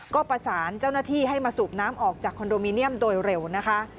ก็ประสานเจ้าหน้าที่ให้มาสูบน้ำออกจากคอนโดมิเนียมโดยเร็วนะคะ